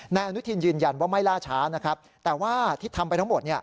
นายอนุทินยืนยันว่าไม่ล่าช้านะครับแต่ว่าที่ทำไปทั้งหมด